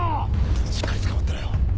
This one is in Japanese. しっかりつかまってろよ。